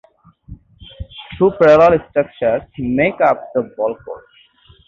Two parallel structures make up the ball court.